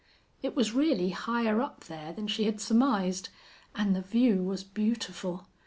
It was really higher up there than she had surmised. And the view was beautiful.